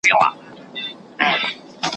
لکه سوی لکه هوسۍ، دی هم واښه خوري ,